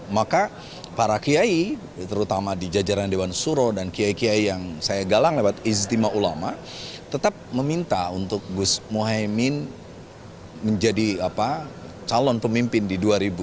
maka para kiai terutama di jajaran dewan suro dan kiai kiai yang saya galang lewat ijtima ulama tetap meminta untuk gus muhaymin menjadi calon pemimpin di dua ribu dua puluh